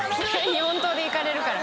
日本刀でいかれるから。